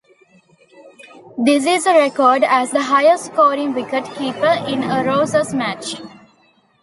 This is a record as the highest scoring wicket keeper in a Roses match.